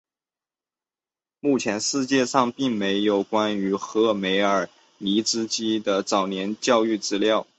目前世界上并没有关于赫梅尔尼茨基的早年教育的资料。